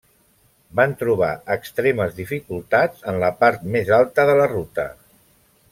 Van trobar extremes dificultats en la part més alta de la ruta.